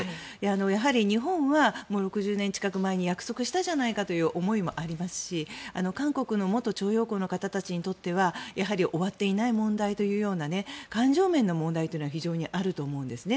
やはり日本は６０年近く前に約束したじゃないかという思いもありますし韓国の元徴用工の方たちにとってはやはり終わっていない問題という感情面の問題というのは非常にあると思うんですね。